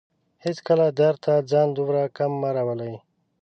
هيڅکله درد ته ځان دومره کم مه راولئ